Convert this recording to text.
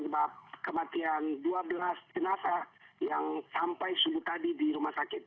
ya saat ini tim inasis olda sulawesi bisa terfikir identifikasi sementara bekerja untuk melakukan otosi